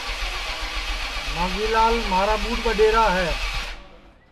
مانگھی لال مھارا ٻُڈؔ ٻڈؔئرا ہے